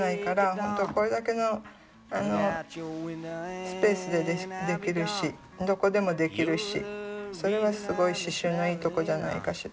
本当これだけのスペースでできるしどこでもできるしそれはすごい刺しゅうのいいとこじゃないかしら。